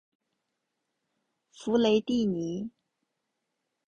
弗雷蒂尼。